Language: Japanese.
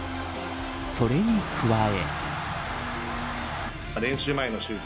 それに加え。